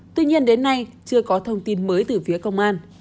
tuy nhiên đến nay chưa có thông tin mới từ phía công an